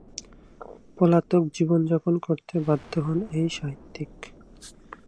পলাতক জীবন যাপন করতে বাধ্য হন এই সাহিত্যিক।